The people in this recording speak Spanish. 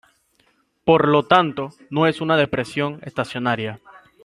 Por lo tanto, no es una depresión estacionaria.